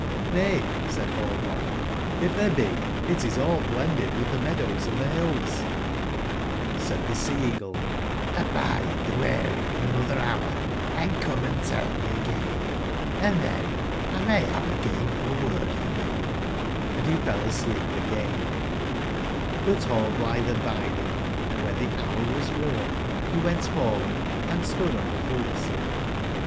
j^'']Vay/' said nail blithe: *'lf there be, it is all blended witb tbe mea dows and tbe bills/' Said tbe Sea/cagle: ''Hbide the wearing of another hour, & come and tell me again, and then 1 may have a gainful word for thee/' Hnd be fell asleep again ^ But nallblithe abided, and when the hour was worn, be went forward and stood on the forecastle.